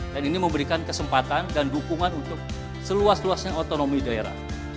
dan ini memberikan kesempatan dan dukungan untuk seluas luasnya otonomi daerah